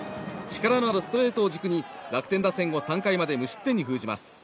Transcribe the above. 力のあるストレートを軸に楽天打線を３回まで無失点に封じます。